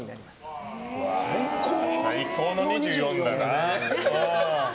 最高の２４だな。